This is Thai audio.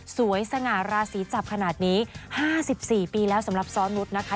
สง่าราศีจับขนาดนี้๕๔ปีแล้วสำหรับซ้อนนุษย์นะคะ